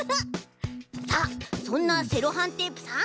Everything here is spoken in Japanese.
さあそんなセロハンテープさん。